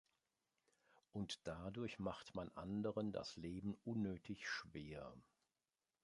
Und dadurch macht man anderen das Leben unnötig schwer.